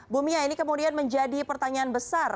bu mia ini kemudian menjadi pertanyaan besar